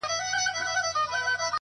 علم د عقل غذا ده؛